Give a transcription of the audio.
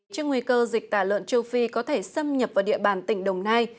trên nguy cơ dịch tả lợn châu phi có thể xâm nhập vào địa bàn tỉnh đồng nai